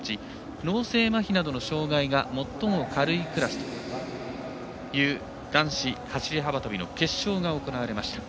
脳性まひなどの障がいが最も軽いクラスという男子走り幅跳びの決勝が行われました。